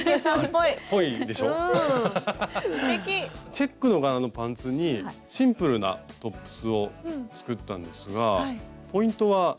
チェックの柄のパンツにシンプルなトップスを作ったんですがポイントはテープなんですよね。